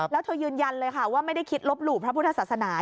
แล้วเธอยืนยันเลยค่ะว่าไม่ได้คิดลบหลู่พระพุทธศาสนา